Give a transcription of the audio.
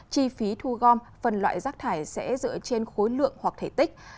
chi phí thu gom phân loại rác thải sẽ dựa trên khối lượng hoặc thể tích